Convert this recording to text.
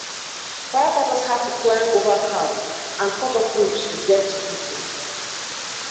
Firefighters had to climb over cars and cut off roofs to get to people.